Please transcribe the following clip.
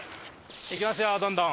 いきますよどんどん！